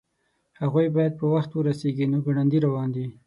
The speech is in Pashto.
هغوی باید په وخت ورسیږي نو ګړندي روان دي